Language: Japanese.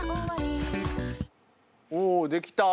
おできた。